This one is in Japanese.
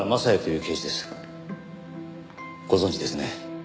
ご存じですね？